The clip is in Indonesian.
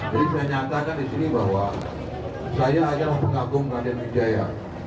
jadi saya nyatakan di sini bahwa saya adalah pengagung raden minjaya